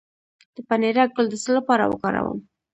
د پنیرک ګل د څه لپاره وکاروم؟